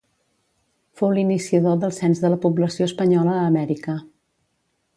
Fou l'iniciador del cens de la població espanyola a Amèrica.